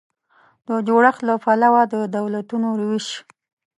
د جوړښت له پلوه د دولتونو وېش